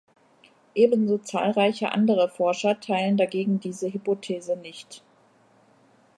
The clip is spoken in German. Ebenso zahlreiche andere Forscher teilen dagegen diese Hypothese nicht.